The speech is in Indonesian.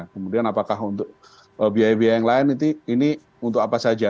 kemudian apakah untuk biaya biaya yang lain ini untuk apa saja